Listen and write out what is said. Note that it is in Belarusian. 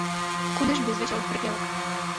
Куды ж без вясёлых прыпевак!